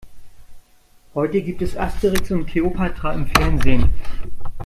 Heute gibt es Asterix und Kleopatra im Fernsehen.